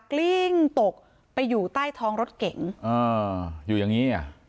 กลิ้งตกไปอยู่ใต้ท้องรถเก๋งอ่าอยู่อย่างงี้อ่ะ